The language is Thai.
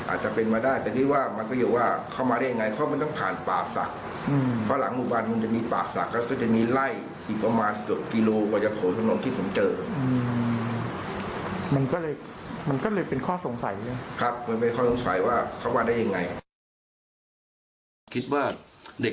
อาจจะเป็นมาได้แต่ที่ว่ามันก็อยู่ว่าเข้ามาได้อย่างไรเขามันต้องผ่านปากศักดิ์